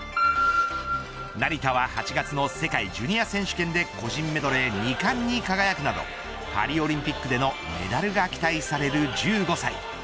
成田は８月の世界ジュニア選手権で個人メドレー２冠に輝くなどパリオリンピックでのメダルが期待される１５歳。